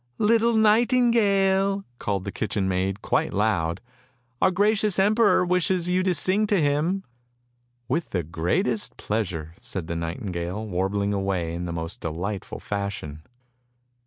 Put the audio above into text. "Little nightingale!" called the kitchen maid quite loud, " our gracious emperor wishes you to sing to him! "" With the greatest pleasure! " said the nightingale, warbling away in the most delightful fashion.